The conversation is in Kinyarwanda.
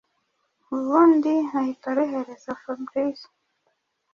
ubundi ahita aruhereza fabric.